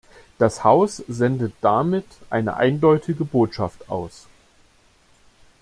Das Haus sendet damit eine eindeutige Botschaft aus.